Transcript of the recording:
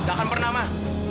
gak akan pernah ma